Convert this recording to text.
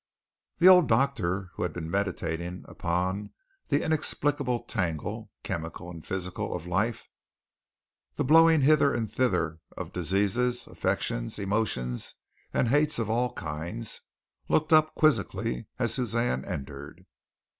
The old doctor who had been meditating upon the inexplicable tangle, chemical and physical, of life the blowing hither and thither of diseases, affections, emotions and hates of all kinds, looked up quizzically as Suzanne entered.